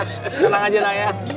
tenang aja nak ya